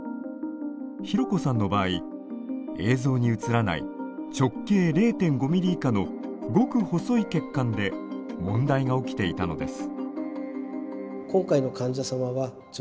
ひろこさんの場合映像に映らない直径０．５ｍｍ以下のごく細い血管で問題が起きていたのです。